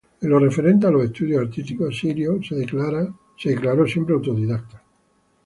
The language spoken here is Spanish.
En lo referente a los estudios artísticos, Sirio se declaró siempre autodidacta.